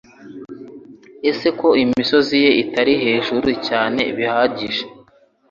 Ese ko imisozi ye itari hejuru cyane bihagije.